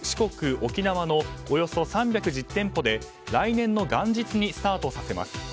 沖縄のおよそ３１０店舗で来年の元日にスタートさせます。